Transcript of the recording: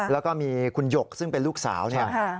แล้วก็มีคุณหยกซึ่งเป็นลูกสาวเนี่ย